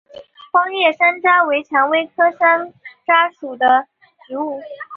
光叶山楂为蔷薇科山楂属的植物。